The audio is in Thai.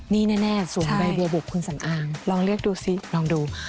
นี่แน่สวมใบบัวบุกคุณสำอางลองเรียกดูสิลองดู